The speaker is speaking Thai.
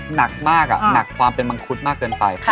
หนักมากหนักความเป็นมังคุดมากเกินไป